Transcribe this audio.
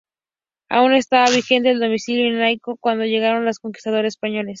Aún estaba vigente el dominio incaico, cuando llegaron los conquistadores españoles.